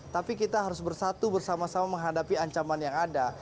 tapi kita harus bersatu bersama sama menghadapi ancaman yang ada